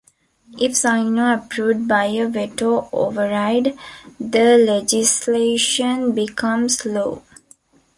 If signed or approved by a veto override, the legislation becomes law.